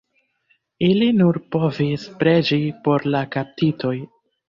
Ili nur povis preĝi por la kaptitoj.